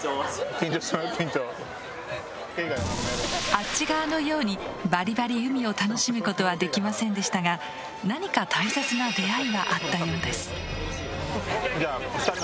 あっち側のようにバリバリ海を楽しむことはできませんでしたが何かじゃあ。よかった！